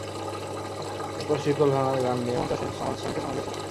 এরপর শিকল ভাঙার গান নিয়ে মঞ্চে আসেন সমাজ সমীক্ষা সংঘের শিল্পীরা।